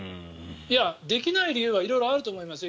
できない理由は色々あると思いますよ。